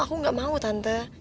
aku gak mau tante